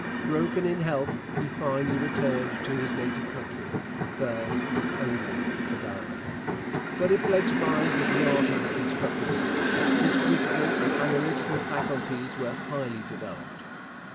Broken in health, he finally returned to his native country; but it was only to die. But if Blake's mind was not of the constructive order, his critical and analytical faculties were highly developed.